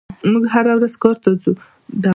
موږ هره ورځ کار ته ځو.